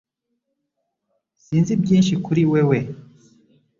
Sinzi byinshi kuri wewe